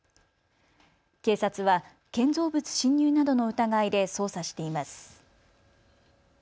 警察は建造物侵入などの疑いで捜査しています。